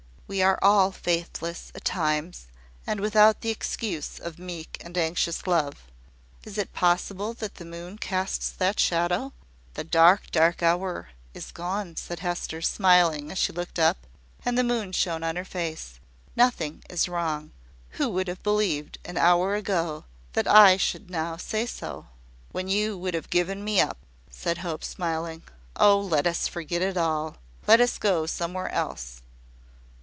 We are all faithless at times, and without the excuse of meek and anxious love. Is it possible that the moon casts that shadow?" "The dark, dark hour is gone," said Hester, smiling as she looked up, and the moon shone on her face. "Nothing is wrong. Who would have believed, an hour ago, that I should now say so?" "When you would have given me up," said Hope, smiling. "Oh, let us forget it all! Let us go somewhere else.